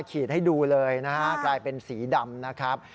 ขีดให้ดูเลยนะฮะกลายเป็นสีดำนะครับ